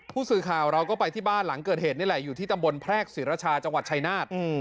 ผู้สื่อข่าวเราก็ไปที่บ้านหลังเกิดเหตุนี่แหละอยู่ที่ตำบลแพรกศิรชาจังหวัดชายนาฏ